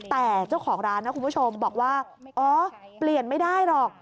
แต่เจ้าของร้านนะคุณผู้ชมบอกว่าอ๋อเปลี่ยนไม่ได้หรอก